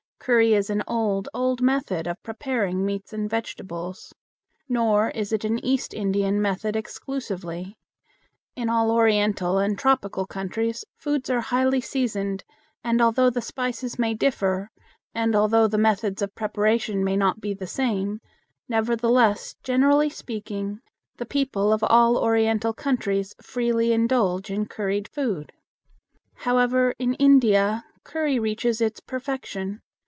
Curry is an old, old method of preparing meats and vegetables. Nor is it an East Indian method exclusively. In all Oriental and tropical countries foods are highly seasoned, and although the spices may differ, and although the methods of preparation may not be the same, nevertheless, generally speaking, the people of all Oriental countries freely indulge in curried food. [Illustration: MAKING CHUPATTIES] However, in India curry reaches its perfection.